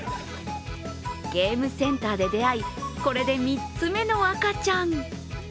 ゲームセンターで出会い、これで３つ目の赤ちゃん。